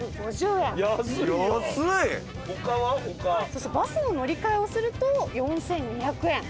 そしてバスの乗り換えをすると４，２００円。